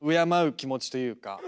敬う気持ちというか。